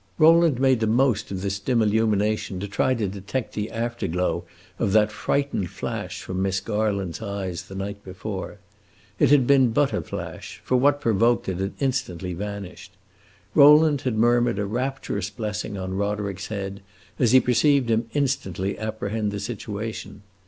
Rowland made the most of this dim illumination to try to detect the afterglow of that frightened flash from Miss Garland's eyes the night before. It had been but a flash, for what provoked it had instantly vanished. Rowland had murmured a rapturous blessing on Roderick's head, as he perceived him instantly apprehend the situation.